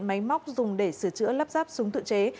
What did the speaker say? máy móc dùng để sửa chữa lắp ráp súng tự chế